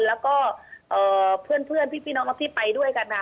แล้วก็เพื่อนพี่น้องที่ไปด้วยกัน